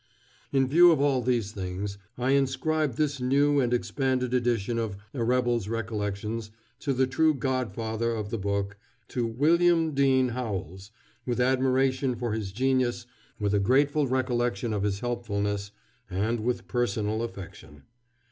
In view of all these things, I inscribe this new and expanded edition of "A Rebel's Recollections" to the true godfather of the book, to WILLIAM DEAN HOWELLS, with admiration for his genius, with a grateful recollection of his helpfulness, and with personal affection.